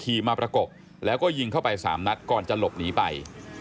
มาประกบแล้วก็ยิงเข้าไป๓นัดก่อนจะหลบหนีไป